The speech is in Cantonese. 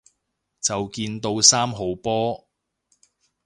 就見到三號波